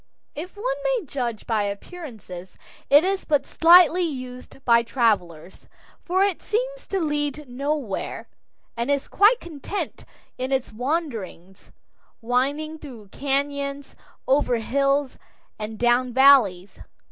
If one may judge by appearances, it is but slightly used by travelers, for it seems to lead nowhere, and is quite content in its wanderings, winding through cañons, over hills, and down valleys.